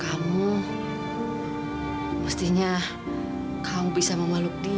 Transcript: kamu mestinya kau bisa memeluk dia